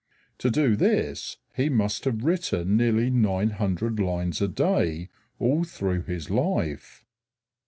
To do this he must have written nearly nine hundred lines a day all through his life.